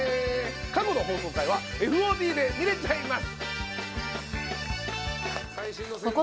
過去の放送回はＦＯＤで見れちゃいます。